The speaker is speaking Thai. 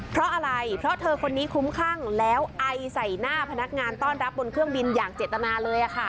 เพราะอะไรเพราะเธอคนนี้คุ้มคลั่งแล้วไอใส่หน้าพนักงานต้อนรับบนเครื่องบินอย่างเจตนาเลย